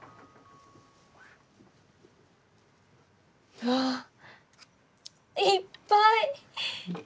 うわ！いっぱい！